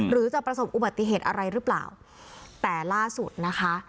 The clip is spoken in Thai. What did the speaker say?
หรือจะประสบอุบัติเหตุอะไรหรือเปล่าแต่ล่าสุดนะคะ